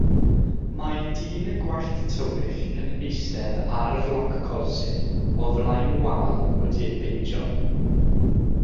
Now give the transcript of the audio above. Mae dyn gwallt tywyll yn eistedd ar floc colsyn o flaen wal wedi'i baentio.